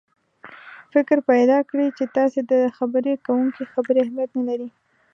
فکر پیدا کړي چې تاسې ته د خبرې کوونکي خبرې اهمیت نه لري.